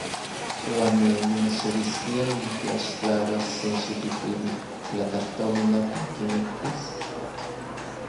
¿Uan ne nimixeuiskia nitlaxtlauas senxikipili platajtomin akin kimiktis?